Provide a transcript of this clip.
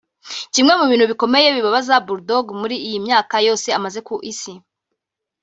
Kimwe mu bintu bikomeye bibabaza Bull Dogg muri iyi myaka yose amaze ku isi